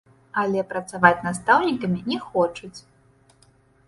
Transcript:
Але працаваць настаўнікамі не хочуць!